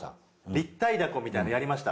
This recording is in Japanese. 立体凧みたいなのやりました。